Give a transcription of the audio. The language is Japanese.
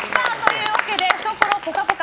懐ぽかぽか！